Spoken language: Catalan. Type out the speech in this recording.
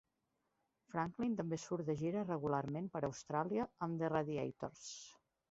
Franklin també surt de gira regularment per Austràlia amb The Radiators.